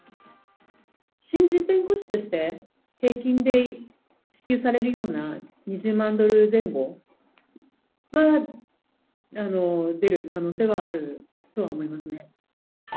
新人弁護士として平均で支給されるような２０万ドル前後は出る可能性はあるとは思いますね。